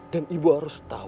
dan ibu harus tahu